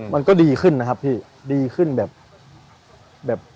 มันก็ดีขึ้นนะครับพี่ดีขึ้นแบบ